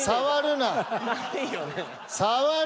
ないよね。